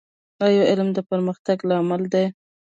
ایا علم د پرمختګ لامل دی؟